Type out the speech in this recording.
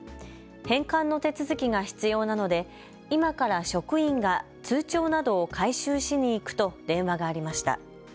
返還の手続きが必要なので今から職員が通帳などを回収しに行くと電話がありました。